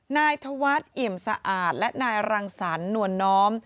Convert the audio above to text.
นายธวรรษอิ่มสะอาดและนายรังสรรหนวนน้อม